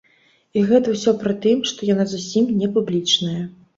І гэта ўсё пры тым, што яна зусім не публічная.